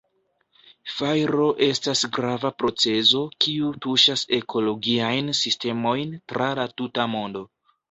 Fajro estas grava procezo kiu tuŝas ekologiajn sistemojn tra la tuta mondo.